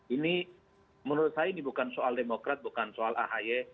ini menurut saya ini bukan soal demokrat bukan soal ahy